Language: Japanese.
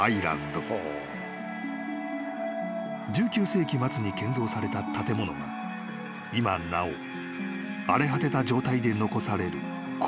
［１９世紀末に建造された建物が今なお荒れ果てた状態で残されるこの島で］